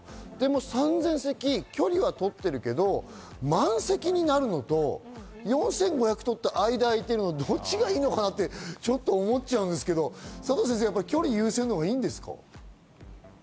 ３０００席、距離は取ってるけど、満席になるのと４５００席とって間が空いてるのと、どっちがいいのかなって思っちゃうんですけど、佐藤先生、距離が優先のほうがいいんですか？